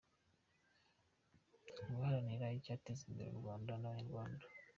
• Guharanira icyateza imbere u Rwanda n’Abanyarwanda.